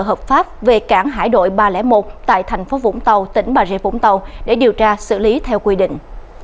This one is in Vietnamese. hợp pháp về cảng hải đội ba trăm linh một tại thành phố vũng tàu tỉnh bà rịa vũng tàu để điều tra xử lý theo quy định